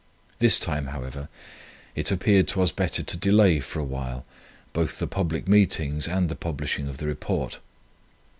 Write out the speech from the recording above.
This time, however, it appeared to us better to delay for a while both the public meetings and the publishing of the Report.